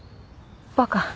バカ。